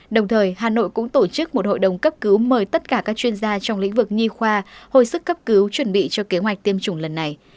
đồng thời hà nội cũng tổ chức một hội đồng cấp cứu mời tất cả các chuyên gia trong lĩnh vực nhi khoa hồi sức cấp cứu chuẩn bị cho kế hoạch tiêm chủng lần này